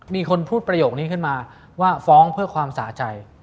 มีคนพูดประโยคนี้ขึ้นมาว่าฟ้องเพื่อความสะใจ